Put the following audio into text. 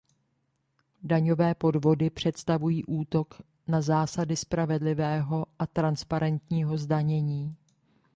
Daňové podvody představují útok na zásady spravedlivého a transparentního zdanění.